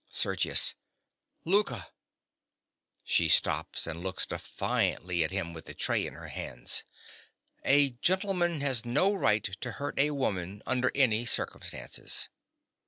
_) SERGIUS. Louka! (She stops and looks defiantly at him with the tray in her hands.) A gentleman has no right to hurt a woman under any circumstances.